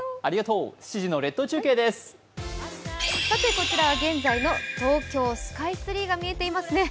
こちらは現在の東京スカイツリーが見えていますね。